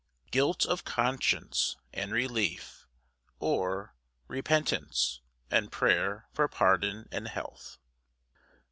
Guilt of conscience and relief; or, Repentance, and prayer for pardon and health.